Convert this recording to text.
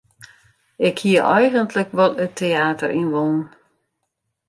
Ik hie eigentlik wol it teäter yn wollen.